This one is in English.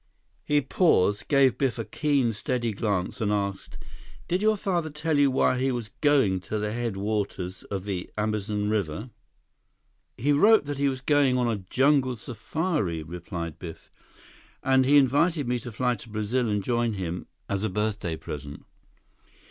He paused, gave Biff a keen, steady glance, and asked, "Did your father tell you why he was going to the headwaters of the Amazon River?" "He wrote that he was going on a jungle safari," replied Biff, "and he invited me to fly to Brazil and join him, as a birthday present."